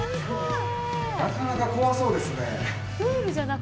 なかなか怖そうですね。